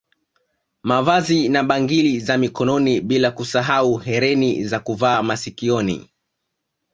Mavazi na bangili za Mikononi bila kusahau hereni za kuvaa masikioni